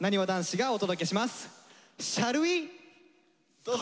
どうぞ！